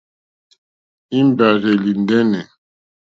Íŋ!ɡbárzèlì ndɛ́nɛ̀.